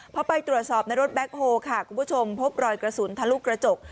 พอไปตรวจสอบในรถแบ็คโฮค่ะคุณผู้ชมพบรอยกระสุนทะลุกระจก